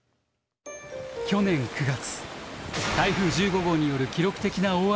去年９月台風１５号による記録的な大雨が発生。